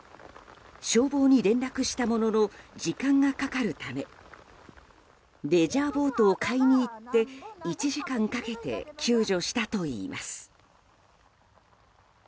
消防に連絡したものの時間がかかるためレジャーボートを買いに行って１時間かけて救助したといいます。